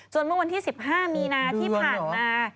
เมื่อวันที่๑๕มีนาที่ผ่านมา